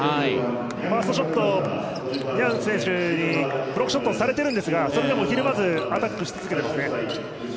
ファーストショットはブロックショットされているんですがそれでもひるまずにアタックし続けていますね。